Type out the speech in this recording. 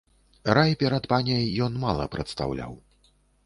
Рай перад паняй ён мала прадстаўляў.